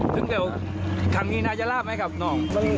ซึ่งเดี๋ยวทางนี้น่าจะลาบไหมครับน้อง